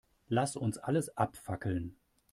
Lass uns alles abfackeln.